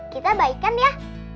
kita baikkan ya